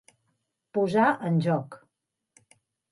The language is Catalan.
Posar en joc.